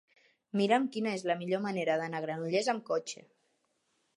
Mira'm quina és la millor manera d'anar a Granollers amb cotxe.